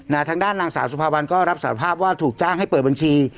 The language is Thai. ทางด้านนางสาวสุภาวันก็รับสารภาพว่าถูกจ้างให้เปิดบัญชี